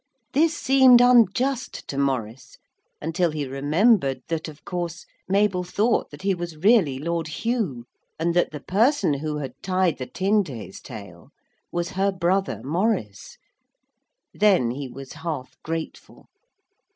This seemed unjust to Maurice until he remembered that, of course, Mabel thought that he was really Lord Hugh, and that the person who had tied the tin to his tail was her brother Maurice. Then he was half grateful.